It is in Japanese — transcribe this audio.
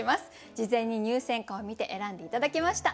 事前に入選歌を見て選んで頂きました。